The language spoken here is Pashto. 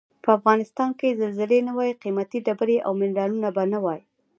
په افغنستان کې که زلزلې نه وای قیمتي ډبرې او منرالونه به نه وای.